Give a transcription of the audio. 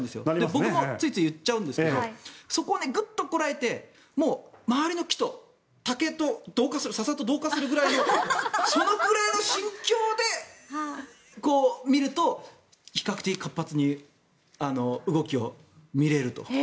僕もついつい言っちゃうんですけどそこをぐっとこらえて周りの木と、竹とササと同化するぐらいのそのくらいの心境で見ると比較的活発に動きを見れると。